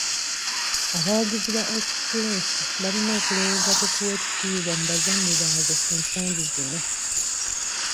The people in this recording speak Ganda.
Abawagizi ba Express balina okulowooza ku kuwa ekitiibwa mu bazannyi baabwe ensangi zino.